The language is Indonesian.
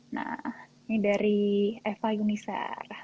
nah ini dari eva yunisar